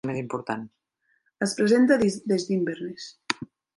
Es presenta des d'Inverness.